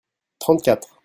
trente quatre.